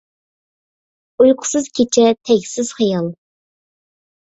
ئۇيقۇسىز كېچە تەگسىز خىيال!